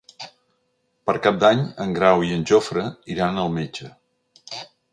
Per Cap d'Any en Grau i en Jofre iran al metge.